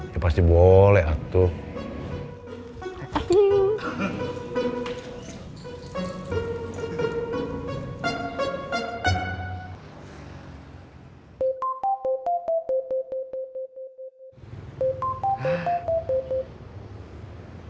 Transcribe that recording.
ya pasti boleh atuh